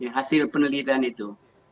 hasil penelitian itu